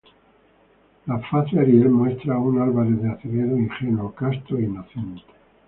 La Face Ariel muestra un Álvares de Azevedo ingenuo, casto e inocente.